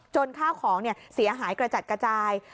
ข้าวของเสียหายกระจัดกระจาย